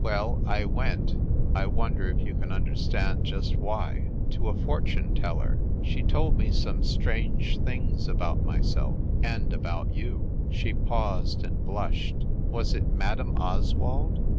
Well, I went I wonder if you can understand just why to a fortune teller. She told me some strange things about myself and about you She paused and blushed. "Was it Madame Oswald